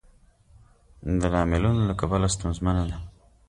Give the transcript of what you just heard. د لاملونو له کبله ستونزمنه ده.